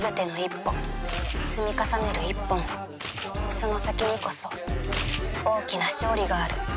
その先にこそ大きな勝利がある